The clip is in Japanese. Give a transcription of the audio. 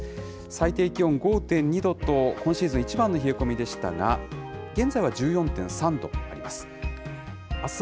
最低気温５．２度と、今シーズン一番の冷え込みでしたが、現在は１４．３度あります。